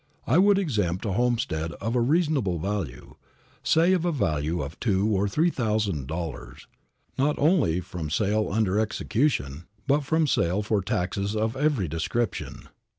I would exempt a homestead of a reasonable value, say of the value of two or three thousand dollars, not only from sale under execution, but from sale for taxes of every description.